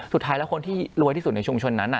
สุดท้ายแล้วคนที่รวยที่สุดในชุมชนนั้น